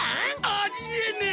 あり得ねえ！